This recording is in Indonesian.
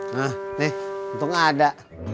nah nih untung ada